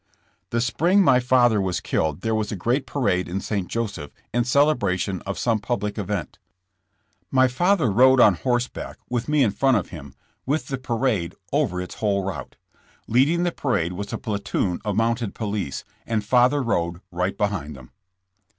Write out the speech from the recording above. The spring my father was killed there was a great parade in St. Joseph in celebration of some public event. My father rode on horseback, with me in front of him, with the parade over its whole route. Leading the parade was a platoon of mounted police, and father rode right behind them.